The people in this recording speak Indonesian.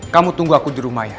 kamu tunggu aku di rumah ya